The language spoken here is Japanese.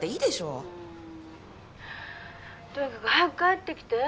☎うんとにかく早く帰ってきて。